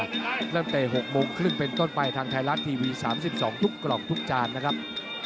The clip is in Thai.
ตั้งแต่๖โมงครึ่งเป็นต้นไปทางไทยรัฐทีวี๓๒ทุกกล่องทุกจานนะครับ